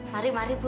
mari mari bu